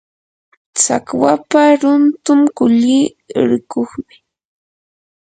tsakwapa runtun kulli rikuqmi.